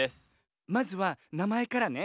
まずはなまえからね。